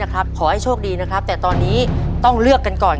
ขอให้โชคดีแต่ตอนนี้เราต้องเลือกกันก่อน